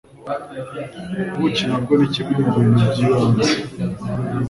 Ubuki nabwo ni kimwe mu bintu by'ibanze